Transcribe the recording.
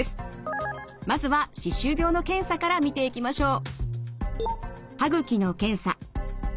まずは歯周病の検査から見ていきましょう。